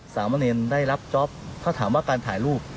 สามเณรได้รับจ๊อปถ้าถามว่าการถ่ายรูป